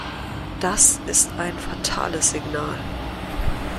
Das ist ein fatales Signal!